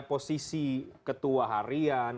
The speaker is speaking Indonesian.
posisi ketua harian